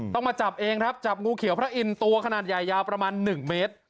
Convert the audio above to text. มาจับเองครับจับงูเขียวพระอินทร์ตัวขนาดใหญ่ยาวประมาณ๑เมตร